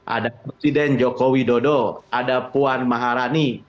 ada presiden joko widodo ada puan maharani